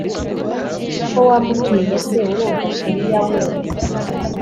ko wamutinye se urumva kellia we